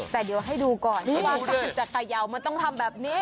แต่เดี๋ยวให้ดูก่อนว่าการจะกระเยามันต้องทำแบบนี้